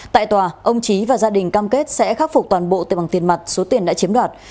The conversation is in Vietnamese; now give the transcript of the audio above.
tại tòa ông trí và gia đình cam kết sẽ khắc phục toàn bộ từ bằng tiền mặt số tiền đã chiếm đoạt